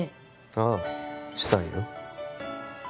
ああしたいよ